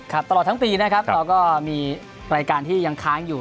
ตลอดทั้งปีนะครับเราก็มีรายการที่ยังค้างอยู่